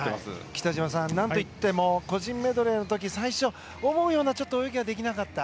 北島さん、何といっても個人メドレーの時に最初、思うような泳ぎができなかった。